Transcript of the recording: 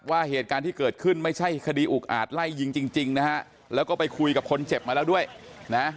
ว่าเหตุการณ์ที่เกิดขึ้นไม่ใช่คดีอุกอาจไล่ยิงจริงนะฮะแล้วก็ไปคุยกับคนเจ็บมาแล้วด้วยนะ